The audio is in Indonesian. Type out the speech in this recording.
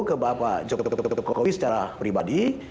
ke bapak jokowi secara pribadi